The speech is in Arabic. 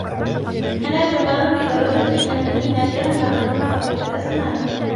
أنا جبان لدرجة أنني نادرا ما أزور طبيب الأسنان.